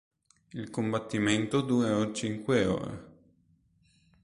Il combattimento durò cinque ora.